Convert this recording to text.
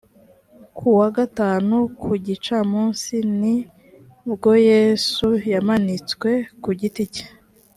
ku wa gatanu ku gicamunsi ni bwo yesu yamanitswe ku giti cye